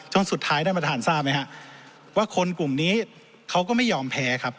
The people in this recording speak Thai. สุดท้ายท่านประธานทราบไหมฮะว่าคนกลุ่มนี้เขาก็ไม่ยอมแพ้ครับ